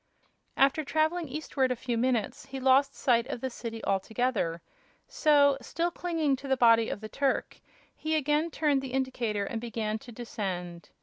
After traveling eastward a few minutes he lost sight of the city altogether; so, still clinging to the body of the Turk, he again turned the indicator and began to descend.